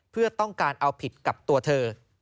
เพื่อต้องการเอาผิดกับตัวเธอ